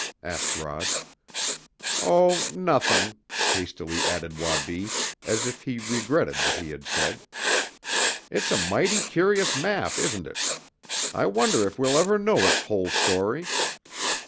asked Rod. "Oh, nothing," hastily added Wabi, as if he regretted what he had said. "It's a mighty curious map, isn't it? I wonder if we'll ever know its whole story."